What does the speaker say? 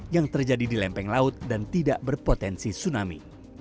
yang terjadi di lempeng laut dan tidak berpotensi tsunami